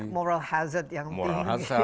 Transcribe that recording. moral hazard yang tinggi